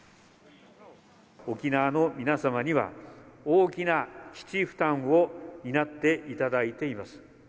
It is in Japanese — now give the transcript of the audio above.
沖縄の皆様には、大きな基地負担を担っていただいています。